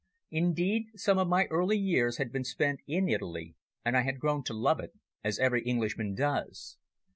Indeed, some of my early years had been spent in Italy, and I had grown to love it, as every Englishman does.